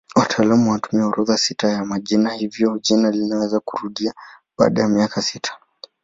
Wataalamu wanatumia orodha sita ya majina hivyo jina linaweza kurudia baada ya miaka sita.